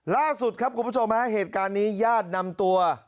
ล่าสุดครับคุณผู้ชมฮะเหตุการณ์นี้ญาตินำตัว